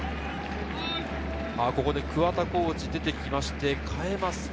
ここで桑田コーチが出てきまして、代えますか？